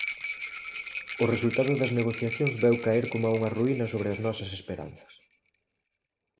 O resultado das negociacións veu a caer coma unha ruína sobre as nosas esperanzas.